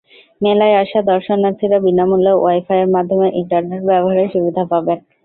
মেলায় আসা দর্শনার্থীরা বিনা মূল্যে ওয়াইফাইয়ের মাধ্যমে ইন্টারনেট ব্যবহারের সুবিধা পাবেন।